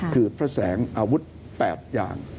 คือพระแสงอาวุธ๘อย่าง